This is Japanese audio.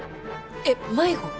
えっ迷子？